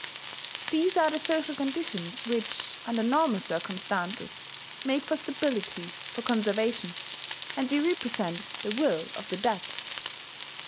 These are the social conditions which, under normal circumstances, make for stability, for conservation; and they represent the will of the dead.